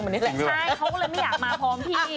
ใช่เขาก็เลยไม่อยากมาพร้อมพี่